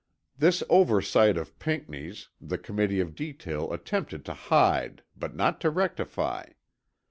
This oversight of Pinckney's, the Committee of Detail attempted to hide but not to rectify.